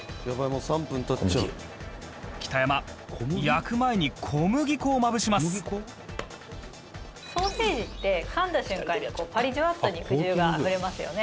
「北山焼く前に小麦粉をまぶします」「ソーセージってかんだ瞬間にパリジュワッと肉汁があふれますよね。